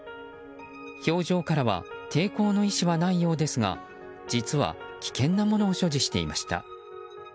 表情からは抵抗の意思はないようですが実は、危険なものを所持していました。